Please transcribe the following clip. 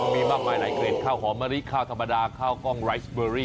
มีมากมายหลายเกร็ดข้าวหอมมะลิข้าวธรรมดาข้าวกล้องไรสเบอรี่